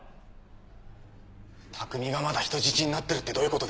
卓海がまだ人質になってるってどういう事ですか？